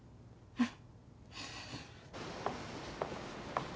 うん。